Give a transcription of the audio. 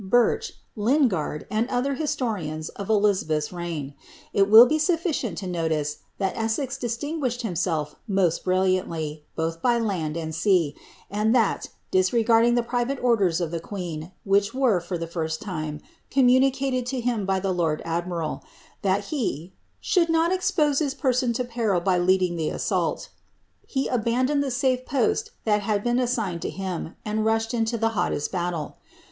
Birch. Lh> gard, and the other historians of Elizabeth's reign. It will be snffiricai to notice that Essex distinguished himself most brillianily, both bv It^d Camden. * Birch. SLIIABBTH. 149 It, and that, disregarding the private orders of the queen, which for the first time, communicated to him by the lord admiral, that hould not expose his person to peril by leading the assault,^ he oned the safe post that had been assigned to him, and rushed uito >ttest battle.